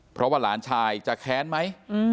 เพราะว่าหลานชายจะแค้นไหม